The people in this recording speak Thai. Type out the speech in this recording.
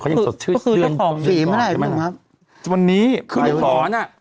เขายังสดชื่นคือถ้าขอบสีไม่ได้ใช่ไหมครับวันนี้คือหมอน่ะ